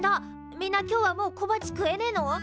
みんな今日はもう小鉢食えねえの！？